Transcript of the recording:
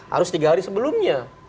harus tiga hari sebelumnya